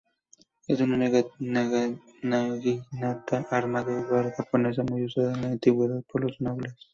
Es una naginata, arma medieval japonesa muy usada en la antigüedad por los nobles.